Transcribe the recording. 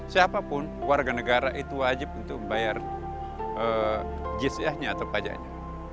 siapapun warga negara itu wajib untuk membayar jiahnya atau pajaknya